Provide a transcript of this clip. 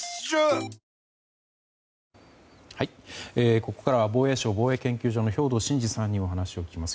ここからは防衛省防衛研究所の兵頭慎治さんにお話を聞きます。